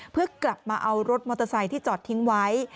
เพื่อกลับมาเอารถมอเตอร์ไซค์ที่จอดทิ้งไว้